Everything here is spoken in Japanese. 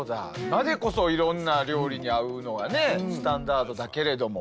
今でこそいろんな料理に合うのがねスタンダードだけれども。